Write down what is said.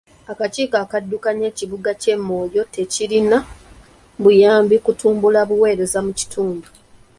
Akakiiko akaddukanya ekibuga ky'e Moyo tekirina buyambi kutumbula buweereza mu kitundu.